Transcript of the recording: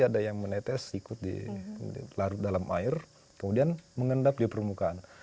ada yang menetes ikut di dalam air kemudian mengendap di permukaan